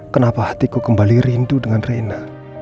kenapa hatiku kembali rindu dengan reina